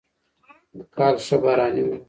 کال ښه باراني و.